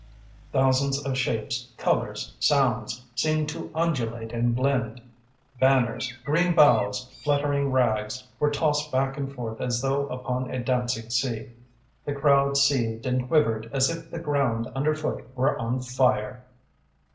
Thousands of shapes, colors, sounds, seemed to undulate and blend; banners, green boughs, fluttering rags, were tossed back and forth as though upon a dancing sea. The crowd seethed and quivered as if the ground underfoot were on fire.